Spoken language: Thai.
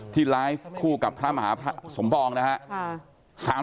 ที่ไลฟ์คู่กับพระมหาพระสมปองนะครับ